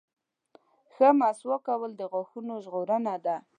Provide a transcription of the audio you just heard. • ښه مسواک کول د غاښونو ژغورنه ده.